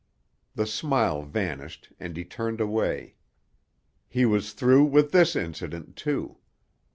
The smile vanished and he turned away. He was through with this incident, too.